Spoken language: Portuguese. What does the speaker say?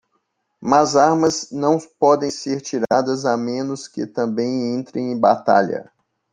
Mas armas não podem ser tiradas a menos que também entrem em batalha.